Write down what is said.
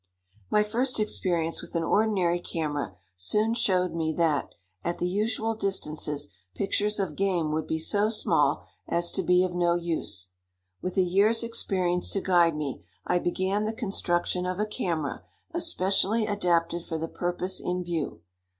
My first experience with an ordinary camera soon showed me that, at the usual distances, pictures of game would be so small as to be of no use. With a year's experience to guide me, I began the construction of a camera especially adapted for the purpose in view.